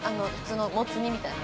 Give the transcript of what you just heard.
モツ煮みたいな。